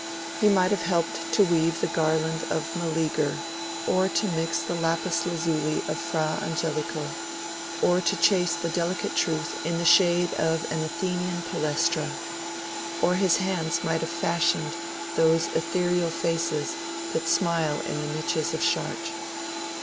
He might have helped to weave the garland of Meleager, or to mix the lapis lazuli of Fra Angelico, or to chase the delicate truth in the shade of an Athenian palaestra, or his hands might have fashioned those ethereal faces that smile in the niches of Chartres.